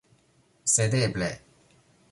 Sed eble...